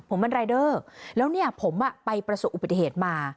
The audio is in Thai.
ผมเป็นรายเดอร์แล้วเนี่ยผมไปประสบอุบัติเหตุมา